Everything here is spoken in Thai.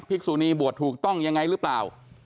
กษุนีบวชถูกต้องยังไงหรือเปล่า